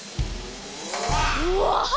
うわ！